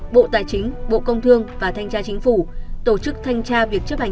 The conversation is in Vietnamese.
bộ tài chính bộ công thương và thanh tra chính phủ tổ chức thanh tra việc chấp hành